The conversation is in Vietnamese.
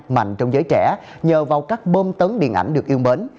mạnh trong giới trẻ nhờ vào các bơm tấn điện ảnh được yêu mến